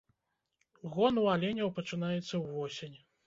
Гон у аленяў пачынаецца ўвосень.